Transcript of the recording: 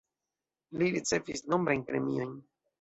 Li ricevis nombrajn premiojn.